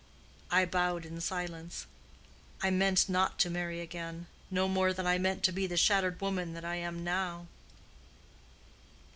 I bowed in silence. I meant not to marry again—no more than I meant to be the shattered woman that I am now."